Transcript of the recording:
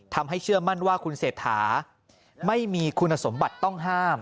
ทำให้เชื่อมั่นว่าคุณเสถาไม่มีคุณสมบัติต้องห้าม